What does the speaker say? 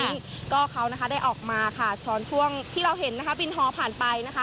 พี่มิ้นเขาได้ออกมาที่เราเห็นวินท้อผ่านไป